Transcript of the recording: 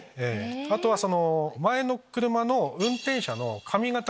あとは前の車の。